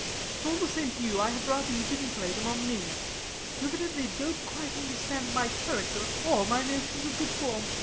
RANDALL. If it's all the same to you I had rather you didn't play them on me. You evidently don't quite understand my character, or my notions of good form.